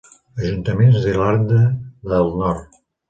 Ajuntaments d'Irlanda de Nord